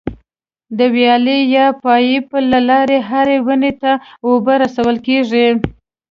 د ویالې یا پایپ له لارې هرې ونې ته اوبه رسول کېږي.